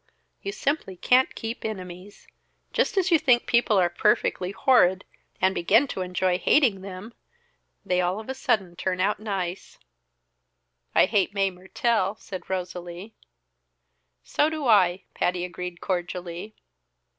You simply can't keep enemies. Just as you think people are perfectly horrid, and begin to enjoy hating them, they all of a sudden turn out nice." "I hate Mae Mertelle," said Rosalie. "So do I!" Patty agreed cordially.